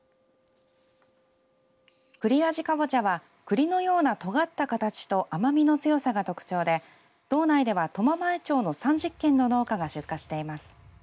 くりあじカボチャはくりのようなとがった形と甘みの強さが特徴で道内では苫前町の３０軒の農家が出荷しています。